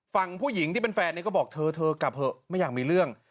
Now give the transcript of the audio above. ฝั่งผู้หญิงที่เป็นแฟนก็บอกเธอเธอกลับเถอะไม่อยากมีเรื่อง